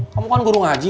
kamu kan guru ngaji